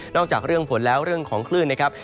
จากเรื่องฝนแล้วเรื่องของคลื่นนะครับ